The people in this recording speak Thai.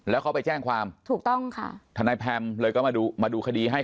แล้วเขาไปแจ้งความถูกต้องค่ะทนายแพมเลยก็มาดูมาดูคดีให้